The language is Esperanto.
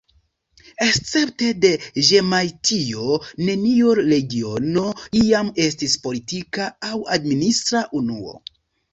Escepte de Ĵemajtio neniu regiono iam estis politika aŭ administra unuo.